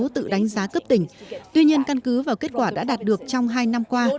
tự đánh giá cấp tỉnh tuy nhiên căn cứ vào kết quả đã đạt được trong hai năm qua